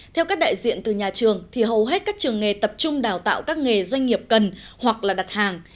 theo các đại diện từ nhà trường thì hầu hết các trường nghề tập trung đào tạo các nghề doanh nghiệp cần hoặc là đặt hàng